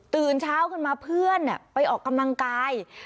ตื่นเช้าขึ้นมาเพื่อนไปออกกำลังกาย